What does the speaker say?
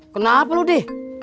kenapa lu di